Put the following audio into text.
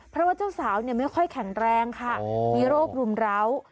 เพราะว่าเจ้าสาวไม่ค่อยแข็งแรงค่ะมีโรครุมร้าว